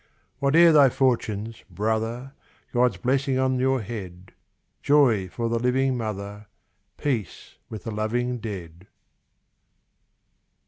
Whate'er thy fortunes, brother! God's blessing on your head; Joy for the living mother, Peace with the loving dead.